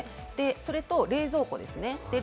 それと冷蔵庫です。